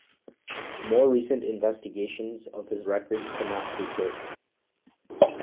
More recent investigations of his records could not prove this.